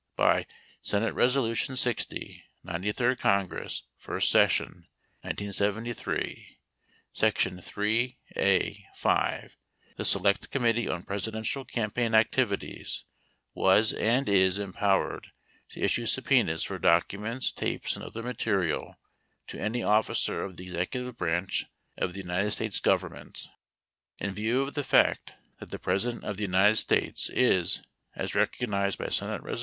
By S. Res. 60, Ninety third Congress, first 3 session (1973), section 3 (a) (5), the Select Committee on 4 Presidential Campaign Activities was and is empowered to 5 issue subpenas for documents, tapes, and other material to 6 any officer of the executive branch of the United States Gov 7 emment. In view of the fact that the President of the United 8 States is, as recognized by S. Res.